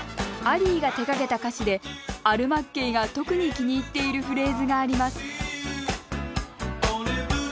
アリーが手がけた歌詞でアル・マッケイが特に気に入っているフレーズがあります